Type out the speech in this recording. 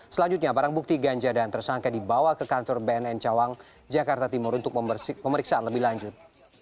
selanjutnya barang bukti ganja dan tersangka dibawa ke kantor bnn cawang jakarta timur untuk pemeriksaan lebih lanjut